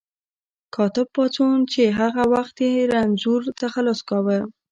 کاتب پاڅون چې هغه وخت یې رنځور تخلص کاوه.